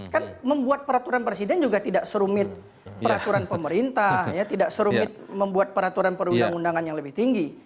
kan membuat peraturan presiden juga tidak serumit peraturan pemerintah ya tidak serumit membuat peraturan perundang undangan yang lebih tinggi